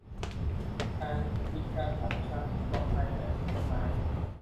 การยุติการตั้งครรภ์ที่ปลอดภัยและถูกกฎหมาย